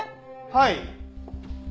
はい。